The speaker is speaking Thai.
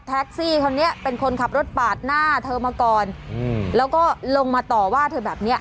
แท็กซี่คนนี้เป็นคนขับรถปาดหน้าธรรมกรอืมแล้วก็ลงมาต่อว่าเธอแบบนี้